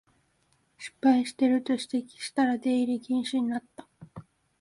失敗してると指摘したら出入り禁止になった